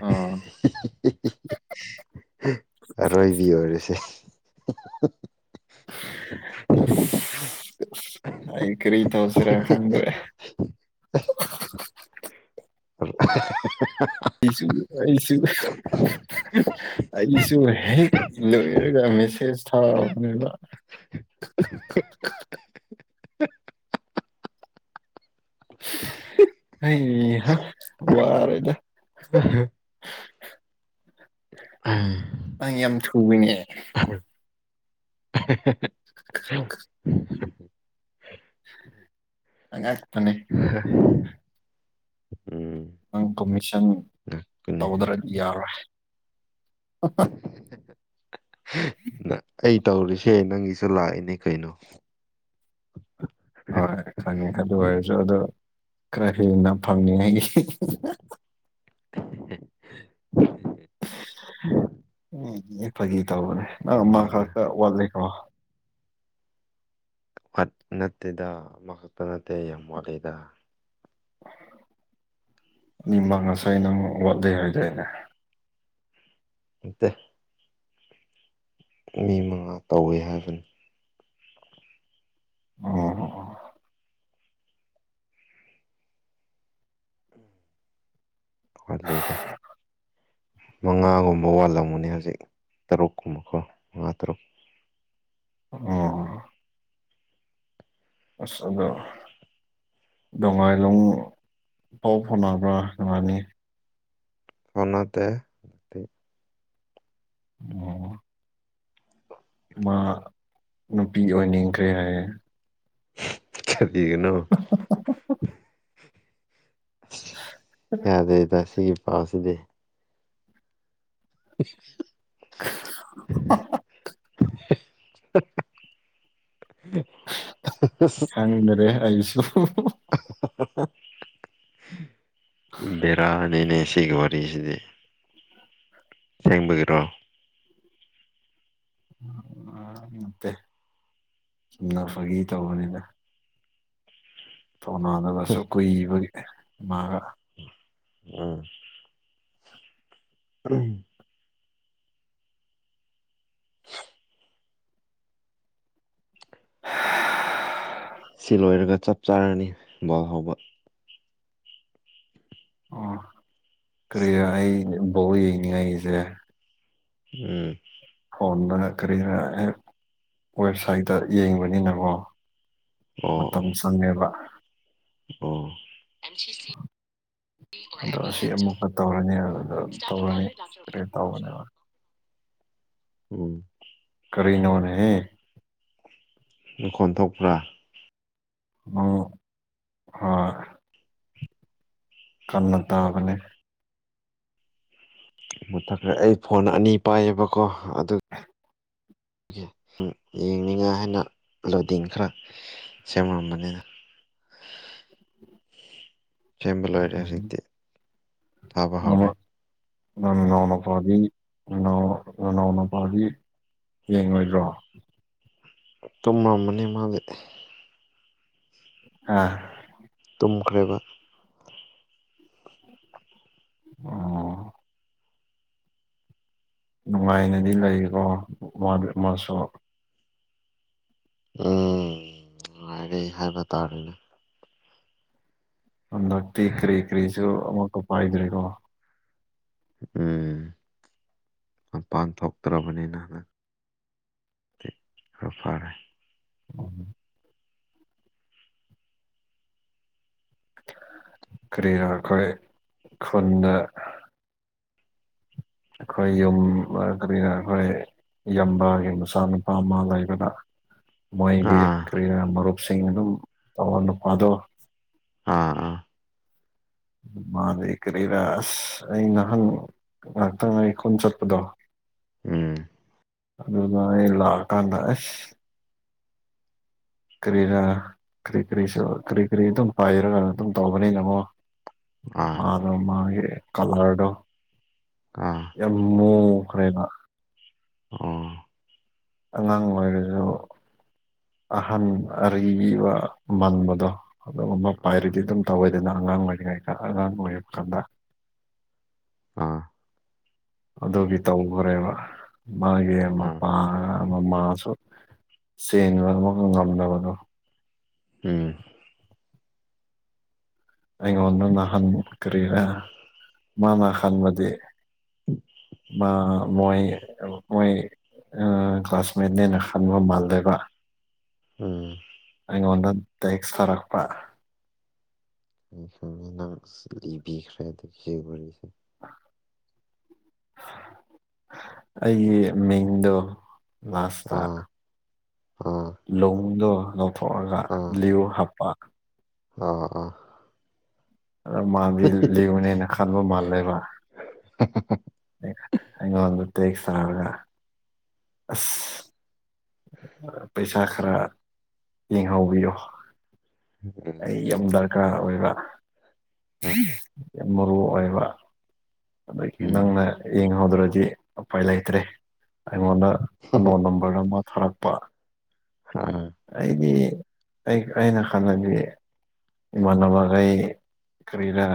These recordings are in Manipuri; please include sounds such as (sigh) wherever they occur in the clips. ꯑꯥ ꯔꯣꯏꯕꯤ ꯑꯣꯏꯔꯁꯦ ꯑꯁ ꯑꯩ ꯀꯔꯤ ꯇꯧꯁꯤꯔꯦ ꯈꯪꯗ꯭ꯔꯦ ꯍ ꯁꯨ ꯑꯩꯁꯨ ꯑꯩꯁꯨ ꯍꯦꯛ ꯂꯣꯏꯔꯒ ꯃꯦꯁꯦꯖ ꯊꯥꯅꯦꯕ (unintelligible) ꯑ ꯋꯥꯔꯦꯗ (unintelligible) ꯑ ꯌꯥꯝ ꯊꯨꯏꯅꯦ ꯍ (unintelligible) ꯍꯥꯛꯇꯅꯦ ꯍ ꯅꯪ ꯀꯣꯃꯤꯁꯟ ꯉꯛꯄꯅꯦ ꯇꯧꯗ꯭ꯔꯗꯤ ꯌꯥꯔꯣꯏ ꯎ ꯅ ꯑꯩ ꯇꯧꯔꯤꯁꯦ ꯅꯪꯒꯤꯁꯨ ꯂꯥꯛꯏꯅꯦ ꯀꯩꯅꯣ ꯍꯣꯏ ꯈꯪꯉꯦ ꯑꯗꯨ ꯑꯣꯏꯔꯁꯨ ꯑꯗ ꯈꯔ ꯍꯦꯟꯅ ꯐꯪꯅꯤ ꯑꯩꯒꯤ ꯎꯝ ꯐꯒꯤ ꯇꯧꯕꯅꯦ ꯅꯪ ꯑꯃ ꯀꯔꯤꯅ ꯈꯛꯇ ꯋꯥꯠꯂꯤꯀꯣ ꯋꯥꯠ ꯅꯠꯇꯦꯗ ꯑꯃꯈꯛꯇ ꯅꯠꯇꯦ ꯌꯥꯝ ꯋꯥꯠꯂꯤꯗ ꯃ ꯉꯁꯥꯏ ꯅꯪ ꯋꯥꯠꯂꯤ ꯍꯥꯏꯗꯏꯅꯦ ꯑꯠꯇ ꯃꯤ ꯃꯉꯥ ꯇꯧꯋꯤ ꯍꯥꯏꯕꯅꯤ ꯑꯣ ꯍꯂꯂꯤꯗ (unintelligible) ꯃꯉꯥꯒꯨꯝꯕ ꯋꯥꯜꯂꯝꯒꯅꯦ ꯍꯧꯖꯤꯛ ꯇꯔꯨꯛꯀꯨꯝꯕꯀꯣ ꯃꯉꯥ ꯇꯔꯨꯛ ꯑꯣꯝ ꯑꯁꯗꯣ ꯗꯣꯡꯉꯥꯏꯂꯣꯡ ꯄꯥꯎ ꯐꯥꯎꯅꯕ꯭ꯔꯥ ꯅꯨꯡꯉꯥꯏꯅꯤ ꯑꯃꯇ ꯑꯣꯝ ꯃꯥ ꯅꯨꯄꯤꯒꯤ ꯑꯣꯏꯅꯤꯡꯈ꯭ꯔꯦ ꯍꯥꯏꯔꯦ ꯊꯔꯤꯒꯅꯣ ꯀꯗꯩ ꯇ ꯁꯤꯒꯤ ꯄꯥꯎꯁꯤꯗꯤ ꯑ (unintelligible) ꯈꯪꯗꯔꯦ ꯑꯩꯁꯨ (unintelligible) ꯕꯦꯔꯥꯅꯤꯅꯦ ꯁꯤꯒꯤ ꯋꯥꯔꯤꯁꯤꯗꯤ ꯁꯦꯡꯕꯒꯤꯔꯣ ꯅꯠꯇꯦꯅ ꯐꯒꯤ ꯇꯧꯕꯅꯤꯅ ꯊꯧꯅꯗꯨꯒꯁꯨ ꯀꯨꯏꯕꯒꯤ ꯃꯥꯒ ꯑꯥ ꯑ ꯑ ꯁꯤ ꯂꯣꯏꯔꯒ ꯆꯞ ꯆꯥꯔꯅꯤ ꯕꯣꯜ ꯍꯧꯕ ꯑꯣ ꯀꯔꯤ ꯑꯩ ꯕꯥꯎ ꯌꯦꯡꯉ ꯑꯩꯁꯦ ꯎꯝ ꯐꯣꯟꯗ ꯀꯔꯤꯅ ꯑꯦ ꯋꯦꯕꯁꯥꯏꯠꯇ ꯌꯦꯡꯕꯅꯤꯅꯀꯣ ꯃꯣꯝ ꯁꯅꯦ꯭ꯔ ꯎ ꯑꯗꯣ ꯑꯁꯤ ꯑꯃꯨꯛꯀ ꯇꯧꯔꯅꯤ ꯑꯗꯨꯗ ꯇꯧꯔꯅꯤ ꯇꯧꯕꯅꯦꯕ ꯎꯝ ꯀꯔꯤꯅꯣꯅꯦꯍ ꯂꯨ ꯈꯣꯟ ꯊꯣꯛꯄ꯭ꯔꯥ ꯑ ꯍ ꯀꯟꯅ ꯇꯥꯕꯅꯦ ꯃꯊ ꯑꯩ ꯐꯣꯟ ꯑꯅꯤ ꯄꯥꯏꯌꯦꯕꯀꯣ ꯑꯗꯨ ꯌꯦꯡꯅꯤꯡꯉꯥꯏ ꯍꯥꯏꯅ ꯂꯗꯤꯡ ꯈꯔ ꯁꯦꯝꯃ ꯃꯅꯤꯗ ꯁꯦꯝꯕ ꯂꯣꯏꯔꯦ ꯍꯧꯖꯤꯛꯇꯤ ꯊꯥꯕ ꯅꯣꯡꯃ ꯍꯧꯔꯦ ꯅꯪ ꯅꯧꯅꯄꯥꯒꯤ ꯅꯧꯅꯄꯥꯒꯤ ꯌꯦꯡꯉꯣꯏꯗ꯭ꯔꯣ ꯇꯨꯝꯃꯝꯃꯅꯤ ꯃꯥꯗꯤ ꯑꯥ ꯇꯨꯝꯈ꯭ꯔꯦꯕ ꯑꯣ ꯅꯨꯡꯉꯥꯏꯅꯗꯤ ꯂꯩꯀꯣ ꯃꯗꯤ ꯑꯃꯁꯨ ꯎꯝ ꯅꯨꯡꯉꯥꯏꯔꯦ ꯍꯥꯏꯕ ꯇꯥꯔꯦꯅꯦ ꯍꯟꯗꯛꯇꯤ ꯀꯔꯤ ꯀꯔꯤꯁꯨ ꯑꯃꯨꯛꯀ ꯄꯥꯏꯗ꯭ꯔꯦꯀꯣ ꯎꯝ ꯃꯄꯥꯟ ꯊꯣꯛꯇ꯭ꯔꯕꯅꯤꯅ (unintelligible) ꯈꯔ ꯐꯔꯦ ꯎꯝ ꯀꯔꯤꯅꯣ ꯑꯩꯈꯣꯏ ꯈꯨꯟꯗ ꯑꯩꯈꯣꯏ ꯌꯨꯝ ꯀꯔꯤꯅ ꯑꯩꯈꯣꯏ ꯏꯕꯒꯤ ꯃꯆꯥ ꯅꯨꯄꯥ ꯑꯃ ꯂꯩꯕꯗ ꯃꯣꯏꯒꯤ ꯑꯥ ꯀꯔꯤꯌꯥ ꯃꯔꯨꯞꯁꯤꯡ ꯑꯗꯨꯝ ꯇꯧꯔ ꯅꯨꯄꯥꯗꯣ ꯑꯥ ꯑꯥ ꯃꯥ ꯂꯩ ꯀꯔꯤꯔꯁ ꯑꯩ ꯉꯍꯪ ꯉꯥꯏꯍꯥꯛꯇꯪ ꯑꯩ ꯈꯨꯣꯟ ꯆꯠꯄꯗꯣ ꯎꯝ ꯑꯗꯨꯅ ꯑꯩ ꯂꯥꯛꯑꯀꯥꯟꯗ ꯑꯁ ꯀꯔꯤꯅ ꯀꯔꯤ ꯀꯔꯤꯁꯨ ꯀꯔꯤ ꯀꯔꯤ ꯑꯗꯨꯝ ꯄꯥꯏꯔꯒ ꯑꯗꯨꯝ ꯇꯧꯕꯅꯤꯅꯃꯣ ꯑꯥ ꯃꯥꯔ ꯃꯥꯦ ꯀꯂꯔꯗ ꯑꯥ ꯌꯃꯨ ꯑꯩꯈꯔꯕ ꯎꯝ ꯑꯉꯥꯡ ꯑꯣꯏꯔꯖꯨ ꯑꯍꯟ ꯑꯔꯤ ꯑꯔꯤꯕ ꯃꯥꯟꯕꯗꯣ ꯑꯗꯨꯒꯨꯝꯕ ꯑꯥ ꯄꯥꯏꯔꯗꯤ ꯑꯗꯨꯝ ꯇꯧꯋꯤꯗꯅ ꯑꯉꯥꯡ ꯑꯣꯏꯔꯤꯉꯩꯗ ꯑꯉꯥꯡ ꯑꯣꯏꯔꯛ ꯀꯥꯟꯗ ꯑꯥ ꯑꯗꯨꯒꯤ ꯇꯧꯈ꯭ꯔꯦꯕ ꯃꯥꯒꯤ ꯑꯥ ꯃꯄꯥ ꯑꯃ ꯃꯥꯁꯨ ꯆꯦꯟꯕ ꯑꯃ ꯉꯝꯗꯕꯗꯣ ꯎꯝ ꯑꯩꯉꯣꯟꯗ ꯅꯥꯍꯟ ꯀꯔꯤꯔ ꯃꯥꯅ ꯍꯟꯕꯗꯤ ꯃ ꯃꯣꯏ ꯃꯣꯏ ꯑ ꯀ꯭ꯂꯥꯁꯃꯦꯠꯅꯦꯅ ꯈꯟꯕ ꯃꯥꯜꯂꯦꯕ ꯎꯝ ꯑꯩꯉꯣꯟꯗ ꯇꯦꯛꯁ ꯊꯥꯔꯛꯄꯥ ꯑꯩ ꯈꯪꯉꯤ ꯅꯪ ꯂꯤꯕꯤꯈ꯭ꯔꯦ ꯑꯗꯨꯒꯤ ꯋꯥꯔꯤꯁꯨ ꯑꯩꯒꯤ ꯃꯤꯡꯗꯣ ꯑꯥ ꯑꯥ ꯂꯨꯡꯗꯣ ꯂꯧꯊꯣꯛꯑꯒ ꯂꯤꯌꯣ ꯍꯥꯞꯄ ꯑꯣ ꯑꯥ ꯑꯗ ꯃꯥꯗꯤ ꯂꯤꯌꯣꯅꯦꯅ ꯈꯟꯕ ꯃꯥꯜꯂꯦꯕ ꯑꯩꯉꯣꯟꯗ ꯇꯦꯛꯁ ꯊꯥꯔꯒ ꯑꯁ ꯄꯩꯁꯥ ꯈꯔ ꯌꯦꯡꯍꯧꯕꯤꯌꯣ ꯎꯝ ꯑꯩ ꯌꯥꯝ ꯗꯔꯀꯥꯔ ꯑꯣꯏꯕ ꯌꯥꯝ ꯃꯔꯨ ꯑꯣꯏꯕ ꯑꯗꯒꯤ ꯎꯝ ꯅꯪꯡꯅ ꯌꯦꯡꯍꯧꯗ꯭ꯔꯗꯤ ꯎꯄꯥꯏ ꯂꯩꯇ꯭ꯔꯦ ꯑꯩꯉꯣꯟꯗ ꯐꯅꯣ ꯅꯝꯕꯔ ꯑꯃ ꯊꯥꯔꯛꯄ ꯎꯝ ꯑꯩꯗꯤ ꯑꯩ ꯑꯩꯅ ꯈꯟꯕꯗꯤ ꯏꯃꯥꯟꯅꯕꯒꯩ ꯀꯔꯤꯔ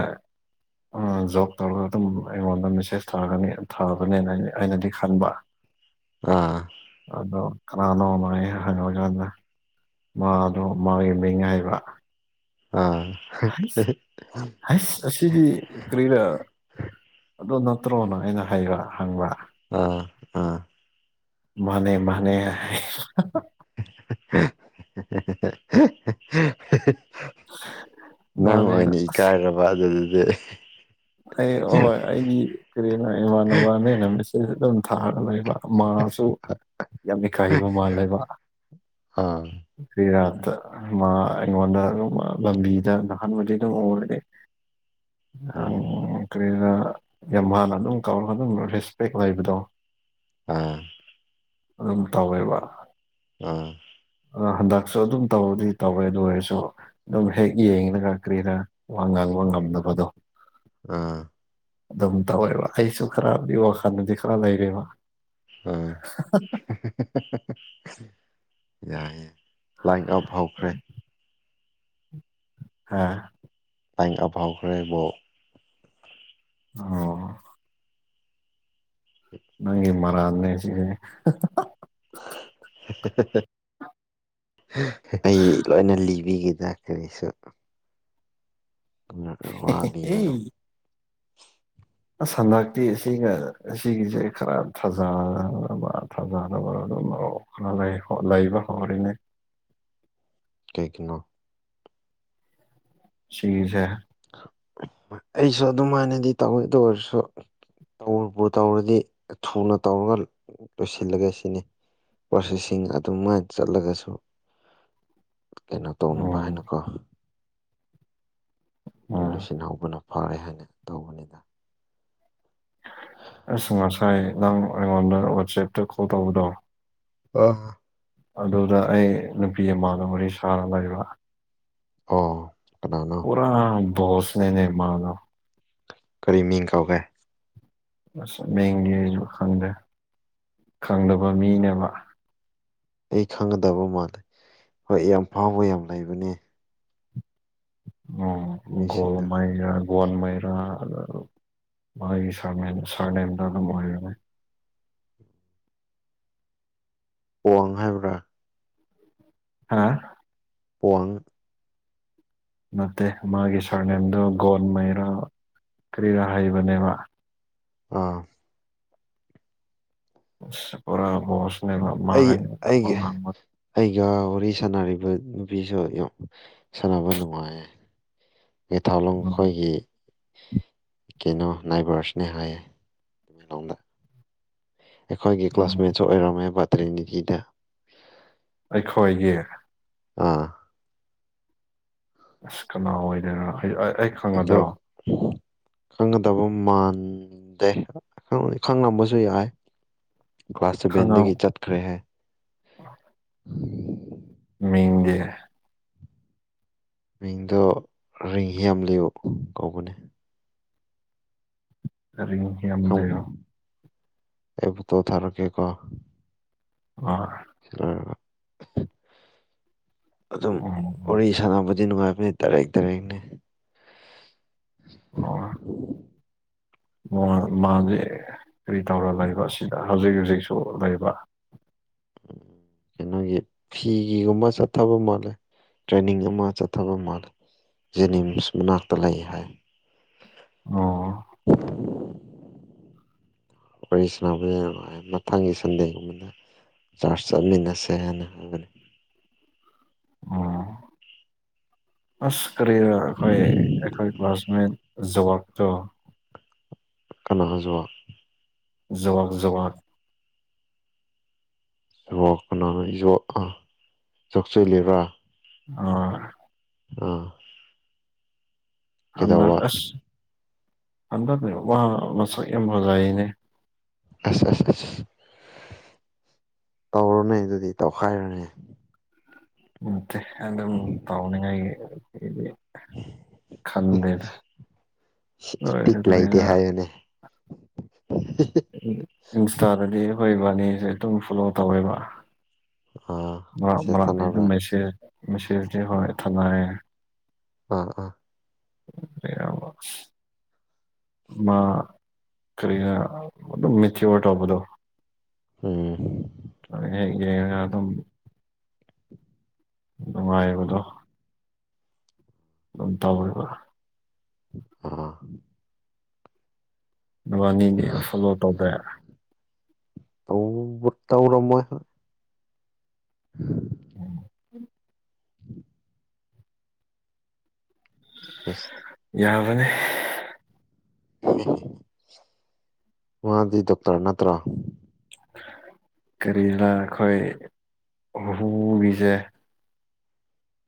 ꯖꯣꯕ ꯇꯧꯔꯒ ꯑꯗꯨꯝ ꯑꯩꯉꯣꯟꯗ ꯃꯦꯁꯦꯁ ꯊꯥꯒꯅꯤ ꯊꯥꯒꯅꯤ ꯑꯩꯅꯗꯤ ꯈꯟꯕ ꯑꯥ ꯑꯗꯣ ꯀꯅꯥꯅꯣꯃ ꯍꯉ ꯍꯖꯥꯟꯗ ꯃꯥꯗꯣ ꯃꯥꯒꯤ ꯃꯤꯉꯥꯏꯕ ꯑꯥ ꯍꯁ ꯍꯩꯁ ꯑꯁꯤꯗꯤ ꯀꯔꯤꯔꯥ ꯑꯗꯨ ꯅꯠꯇ꯭ꯔꯣꯅ ꯑꯩꯅ ꯍꯧꯕ ꯍꯪꯕꯥ ꯑ ꯃꯥꯟꯅꯦ ꯃꯥꯟꯅꯦ ꯍꯥꯏꯕ (inaudible) (inaudible) (inaudible) ꯅꯪ ꯑꯣꯏꯅ ꯑꯁ ꯏꯀꯥꯏꯔꯕ ꯑꯗꯨꯗꯗꯤ ꯑꯩ ꯍꯣꯏ ꯑꯩꯗꯤ ꯀꯔꯤꯅ ꯏꯃꯥꯟꯅꯕꯅꯦꯅ ꯃꯤꯁ ꯑꯩꯖꯨ ꯑꯗꯨꯝ ꯊꯥꯔꯒ ꯂꯩꯕ ꯃꯥꯖꯨ ꯌꯥꯝ ꯏꯀꯥꯏꯕ ꯃꯥꯜꯂꯦꯕ ꯑ ꯕꯤꯔꯥꯟꯇ ꯃꯥ ꯑꯩꯉꯣꯟꯗ ꯑꯗꯨꯝ ꯂꯝꯕꯤꯗ ꯅꯥꯍꯟꯕꯨꯗꯤ ꯑꯗꯨꯝ ꯎꯕꯗꯤ ꯑꯡ ꯎꯝ ꯀꯔꯤꯔꯥ ꯌꯥꯝ ꯃꯥꯥꯟꯅ ꯑꯗꯨꯝ ꯀꯧꯔꯒ ꯑꯗꯨꯝ ꯔꯦꯁꯄꯦꯛ ꯑꯣꯏꯕꯗꯣ ꯑ ꯑꯗꯨꯝ ꯇꯧꯋꯦꯕ ꯑ ꯑ ꯍꯟꯗꯛꯁꯨ ꯑꯗꯨꯝ ꯇꯧꯕꯗꯤ ꯇꯧꯋꯦ ꯑꯗꯨ ꯑꯣꯏꯔꯁꯨ ꯑꯗꯨꯝ ꯍꯦꯛ ꯌꯦꯡꯔꯒ ꯀꯔꯤꯔꯥ ꯋꯥ ꯉꯥꯡꯕ ꯉꯝꯗꯕꯗꯣ ꯑ ꯑꯗꯨꯝ ꯇꯧꯋꯦꯕ ꯑꯩꯁꯨ ꯈꯔꯕꯨꯗꯤ ꯋꯥꯈꯟꯗꯗꯤ ꯈꯔ ꯂꯩꯔꯦꯕ ꯑꯥ ꯌꯥꯏꯌꯦ ꯂꯥꯏꯟ ꯑꯞ ꯍꯧꯈ꯭ꯔꯦ ꯑꯥ ꯌꯥꯝ ꯐꯥꯎꯈ꯭ꯔꯦꯕꯣ ꯑꯧ ꯅꯣꯏꯒꯤ ꯃꯔꯥꯟꯅꯦ ꯁꯤꯗꯤ ꯍꯦ ꯍꯦ ꯑꯦ ꯑꯩ ꯂꯣꯏꯅ ꯂꯤꯕꯤꯒꯦꯗ ꯀꯔꯤꯁꯨ ꯀꯅꯥꯅ ꯋꯥꯕꯤꯒꯅꯨ ꯑꯁ ꯍꯟꯗꯛꯇꯤ ꯁꯤꯒ ꯁꯤꯒꯤꯖꯦ ꯈꯔ ꯊꯥꯖꯅꯕ ꯊꯥꯖꯅꯕ ꯑꯗꯨꯝ ꯑꯣ ꯈꯔ ꯂꯩꯈꯣ ꯂꯩꯕ ꯍꯧꯔꯦꯅꯦ ꯀꯩꯒꯤꯅꯣ ꯁꯤꯒꯤꯖꯦ ꯑꯩꯁꯨ ꯑꯗꯨꯃꯥꯏꯅꯗꯤ ꯇꯧꯋꯤ ꯑꯗꯨ ꯑꯣꯏꯔꯁꯨ ꯇꯧꯕꯨ ꯇꯧꯔꯗꯤ ꯊꯨꯅ ꯇꯧꯔꯒ ꯂꯣꯏꯁꯤꯜꯂꯒꯦ ꯁꯤꯅꯤ ꯄ꯭ꯔꯣꯁꯦꯁꯤꯡ ꯑꯗꯨꯃꯥꯏ ꯆꯠꯂꯒꯁꯨ ꯀꯩꯅꯣ ꯇꯧꯅꯕ ꯎꯝ ꯍꯥꯏꯅꯀꯣ ꯎꯝ ꯂꯣꯏꯁꯤꯟꯍꯧꯕꯅ ꯐꯔꯦ ꯍꯥꯏꯅ ꯇꯧꯕꯅꯤꯗ ꯑꯁ ꯉꯁꯥꯏ ꯅꯪ ꯑꯩꯉꯣꯟꯗ ꯋꯥꯆꯦꯞꯇ ꯀꯣꯜ ꯇꯧꯕꯗꯣ ꯑꯥ ꯑꯗꯨꯗ ꯑꯩ ꯅꯨꯄꯤ ꯑꯃꯒ ꯋꯥꯔꯤ ꯁꯥꯔ ꯂꯩꯕ ꯑꯣ ꯀꯅꯥꯅꯣ ꯄꯨꯔꯥ ꯕꯣꯁꯅꯤꯅꯦ ꯃꯥꯗꯣ ꯀꯔꯤ ꯃꯤꯡ ꯀꯧꯒꯦ ꯑꯁ ꯃꯤꯡꯗꯤ ꯑꯩꯖꯨ ꯈꯪꯗꯦ ꯈꯪꯗꯕ ꯃꯤꯅꯦꯕꯥ ꯑꯩ ꯈꯪꯒꯗꯕ ꯃꯥꯜꯂꯤ ꯍꯣꯏ ꯌꯥꯝ ꯐꯥꯎꯕ ꯌꯥꯝ ꯂꯩꯕꯅꯦ ꯑꯣ ꯃꯤꯁꯤꯡꯗꯣ ꯒꯣꯜꯃꯩꯔꯥ ꯒꯣꯟꯃꯩꯔꯥ ꯃꯥꯒꯤ ꯁ꯭ꯔꯃꯦꯟ ꯁ꯭ꯔꯅꯦꯝꯗꯣ ꯑꯗꯨꯝ ꯑꯣꯏꯕꯅꯦ ꯋꯥꯡ ꯍꯥꯏꯕ꯭ꯔꯥ ꯍꯥꯥ ꯄꯣꯟ ꯅꯠꯇꯦ ꯃꯥꯒꯤ ꯁꯥꯔꯅꯦꯝꯗꯨ ꯒꯣꯟ ꯃꯩꯔꯥ ꯀꯔꯤꯔꯥ ꯍꯩꯕꯅꯦꯕ ꯑꯥ ꯄꯨꯔꯥ ꯕꯣꯁ ꯑꯩ ꯑꯩꯒꯤ ꯑꯩꯒ ꯋꯥꯔꯤ ꯁꯥꯟꯅꯔꯤꯕ ꯅꯨꯄꯤꯁꯨ ꯌꯥꯝ ꯁꯥꯟꯅꯕ ꯅꯨꯡꯉꯥꯏꯌꯦ ꯑꯩꯩ ꯊꯥꯎꯂꯣꯡ ꯎꯝ ꯈꯣꯏꯒꯤ ꯀꯩꯅꯣ ꯅꯥꯏꯕꯔꯁꯅꯦ ꯍꯥꯏꯌꯦ ꯂꯣꯗ ꯑꯩꯈꯣꯏꯒꯤ ꯎꯝ ꯀ꯭ꯂꯥꯁꯃꯦꯠꯁꯨ ꯑꯣꯏꯔꯝꯃꯦꯕ ꯇ꯭ꯔꯤꯅꯤꯇꯤꯗ ꯑꯩꯈꯣꯏꯒꯤ ꯑꯥ ꯑꯁ ꯀꯅꯥ ꯑꯣꯏꯗꯣꯏꯅ ꯑꯩ ꯈꯪꯉꯗ꯭ꯔꯣ ꯑꯣ ꯈꯪꯒꯗꯕ ꯃꯥꯟꯗꯦ ꯈꯪꯉꯝꯕꯁꯨ ꯌꯥꯏ ꯀ꯭ꯂꯥꯁ ꯈꯪꯉꯝ ꯁꯥꯕꯦꯟꯗꯒꯤ ꯆꯠꯈ꯭ꯔꯦ ꯍꯥꯏ ꯃꯤꯡꯗꯤ ꯃꯤꯡꯗꯣ ꯔꯤꯡ ꯍꯦꯝꯌꯨ ꯀꯧꯕꯅꯦ ꯑꯗꯨꯔꯤ ꯑꯩ ꯐꯣꯇꯣ ꯊꯔꯛ ꯀꯦꯀꯣ ꯑ ꯑ ꯑꯗꯨꯝ ꯎꯝ ꯋꯥꯔꯤ ꯁꯥꯟꯕꯗꯤ ꯅꯨꯡꯉꯥꯏꯕꯅꯤ ꯗꯥꯏꯔꯦꯛ ꯗꯥꯏꯔꯦꯡꯅꯤ (inaudible) ꯃꯥꯁꯦ ꯀꯔꯤ ꯇꯧꯔ ꯂꯩꯕ ꯁꯤꯗ ꯍꯧꯖꯤꯛ ꯍꯧꯖꯤꯛꯁꯨ ꯂꯩꯕ ꯎꯝ ꯀꯩꯅꯣꯒꯤ ꯐꯤꯒꯤꯒꯨꯝꯕ ꯆꯠꯊꯕ ꯃꯥꯜꯂꯦ ꯇ꯭ꯔꯦꯅꯤꯡ ꯑꯃ ꯆꯠꯊꯕ ꯃꯥꯜꯂꯦ ꯖꯦꯅꯤꯝꯁ ꯃꯅꯥꯛꯇ ꯂꯩ ꯍꯥꯏ ꯑꯣ (inaudible) ꯋꯥꯔꯤ ꯁꯅꯥꯎ ꯃꯊꯪꯒꯤ ꯁꯟꯗꯦꯒꯨꯝꯕꯗ ꯆꯥꯔꯁꯠ ꯆꯠꯃꯤꯟꯅꯁꯦ ꯍꯥꯏꯅ ꯍꯥꯏꯕꯅꯤ ꯎ ꯑꯁ ꯀꯔꯤ ꯑꯩꯈꯣꯏ ꯑꯩꯈꯣꯏ ꯀ꯭ꯂꯥꯁꯃꯦꯠ ꯋꯥꯥꯛꯗꯣ ꯀꯅꯥ ꯍꯥꯏꯖꯣꯋꯥ ꯖꯣꯋꯥꯥꯛ ꯖꯣꯋꯥꯛ ꯖꯋꯥꯛ ꯀꯅꯥꯅꯣ ꯆꯣꯛꯆꯜꯂꯤꯕ꯭ꯔꯥ ꯑꯥ ꯑ ꯍꯟꯗꯛ ꯀꯩꯗꯧꯕ ꯑꯁ ꯍꯟꯗꯛꯅ ꯋꯥ ꯃꯛ ꯌꯥꯝ ꯐꯖꯩꯅꯦ ꯑꯁ ꯑꯁ ꯑꯁ ꯑ ꯇꯧꯔꯨꯅꯦ ꯑꯗꯨꯗꯤ ꯇꯧꯈꯥꯏꯔꯨꯅꯦ ꯎꯠꯇꯦ ꯑꯗꯨꯝ ꯇꯧꯅꯤꯡꯉꯥꯏꯗꯤ ꯈꯟꯗꯦꯗ ꯏꯄꯤꯛ ꯂꯩꯇꯦ ꯍꯥꯏꯌꯨꯅꯦ (unintelligible) ꯏꯟꯁꯇꯥꯗꯗꯤ ꯑꯩꯈꯣꯏꯕꯥꯅꯤꯁꯦ ꯑꯗꯨꯝ ꯐꯣꯂꯣ ꯇꯧꯋꯦꯕ ꯑꯥ ꯃꯔꯛ ꯃꯦꯁꯦꯁ ꯃꯔꯛ ꯑꯗꯨꯝ ꯊꯥꯅꯕ꯭ꯔꯥ ꯃꯦꯁꯦꯟ ꯃꯦꯁꯦꯟ ꯊꯅꯥꯏ ꯑꯥ ꯑꯥ ꯃꯩꯔꯕ ꯃꯥ ꯀꯔꯤꯅ ꯑꯗꯨꯝ ꯃꯦꯇꯤꯋꯥꯔ ꯇꯧꯕꯗꯣ ꯎꯝ ꯌꯥꯏꯌꯦ ꯌꯦꯡꯉꯒ ꯑꯗꯨꯝ ꯅꯨꯡꯉꯥꯏꯕꯗꯣ ꯑꯗꯨꯝ ꯇꯧꯔꯤꯕ ꯑ ꯅꯕꯥꯅꯤꯗꯤ ꯐꯣꯂꯣ ꯇꯧꯗꯦ ꯇꯧꯕꯨ ꯇꯧꯔꯝꯃꯣꯏ (unintelligible) ꯎꯝ ꯎꯝ (unintelligible) ꯌꯥꯕꯅꯦ ꯃꯥꯗꯤ ꯗꯣꯛꯇꯔ ꯅꯠꯇ꯭ꯔꯣ ꯀꯔꯤꯔ ꯑꯩꯈꯣꯏ ꯍꯨꯒꯤꯁꯦ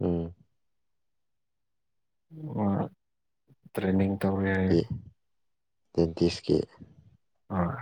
ꯎꯝ ꯋꯥ ꯇ꯭ꯔꯦꯅꯤꯡ ꯇꯧꯔꯦ ꯑꯦ ꯗꯦꯟꯇꯤꯁꯀꯤ ꯑꯥ